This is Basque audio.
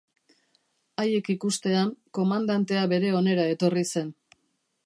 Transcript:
Haiek ikustean, komandantea bere onera etorri zen.